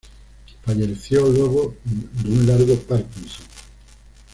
Falleció luego de un largo Parkinson.